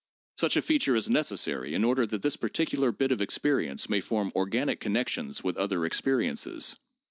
Such a feature is necessary in order that this partic ular bit of experience may form organic connections with other experiences.